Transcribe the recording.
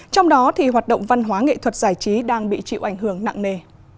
trong đó thì hoạt động văn hóa nghệ thuật giải trí đang bị chịu ảnh hưởng nặng nề